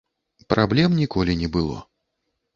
Праблем ніколі не было.